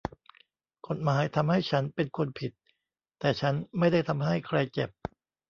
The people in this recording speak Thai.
กฎหมายทำให้ฉันเป็นคนผิดแต่ฉันไม่ได้ทำให้ใครเจ็บ